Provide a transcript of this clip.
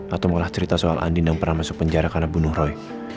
atau mengolah cerita soal andin yang pernah masuk penjara karena bunuh roy